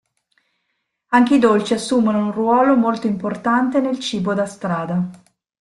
Anche i dolci assumono un ruolo molto importante nel cibo da strada.